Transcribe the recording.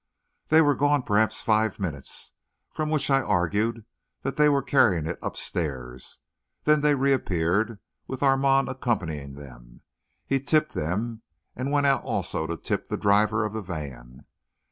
They were gone perhaps five minutes, from which I argued that they were carrying it upstairs; then they reappeared, with Armand accompanying them. He tipped them and went out also to tip the driver of the van.